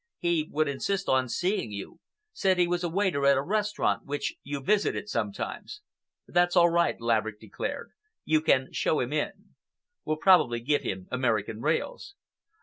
He would insist on seeing you—said he was a waiter at a restaurant which you visited sometimes." "That's all right," Laverick declared. "You can show him in. We'll probably give him American rails."